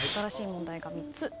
新しい問題が３つ。